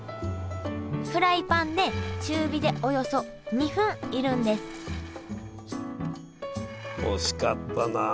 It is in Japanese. フライパンで中火でおよそ２分煎るんです惜しかったな。